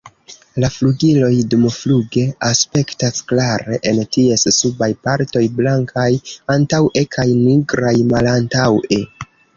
La flugiloj dumfluge aspektas klare en ties subaj partoj blankaj antaŭe kaj nigraj malantaŭe.